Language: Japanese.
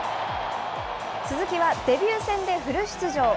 鈴木はデビュー戦でフル出場。